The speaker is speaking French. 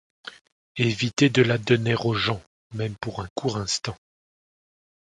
Évitez de la donner aux gens, même pour un court instant.